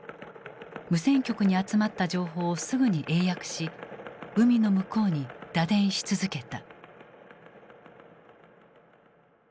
無線局に集まった情報をすぐに英訳し海の向こうに打電し続けた。